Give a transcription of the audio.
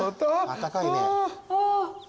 あったかいね。